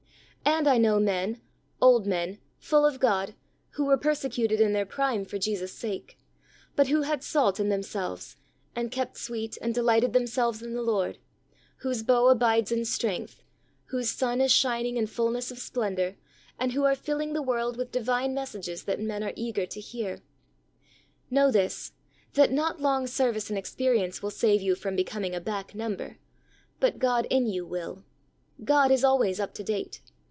And I know men — old men — full of God, who were persecuted in their prime for Jesus' sake, but who had salt in them selves and kept sweet and delighted themselves in the Lord, whose bow abides in strength, whose sun is shining in full ness of splendor, and who are filling the world with divine messages that men are eager to hear. Know this: that not long service and experience will save you from becoming a back number, but God in you will. God is always up to date.